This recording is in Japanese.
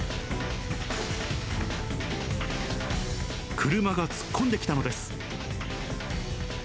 車が突っ込んできたのです。